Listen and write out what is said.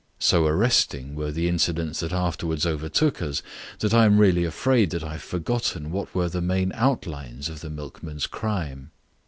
So arresting were the incidents which afterwards overtook us that I am really afraid that I have forgotten what were the main outlines of the milkman's crime.